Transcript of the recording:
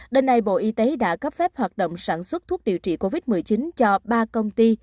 đến nay bộ y tế đã cấp phép hoạt động sản xuất thuốc điều trị covid một mươi chín cho ba công ty